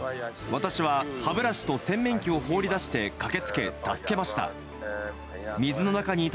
私は歯ブラシと洗面器を放り出して、駆けつけ、助けました。